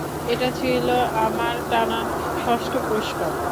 এটা ছিল আমার টানা ষষ্ঠ পুরস্কার।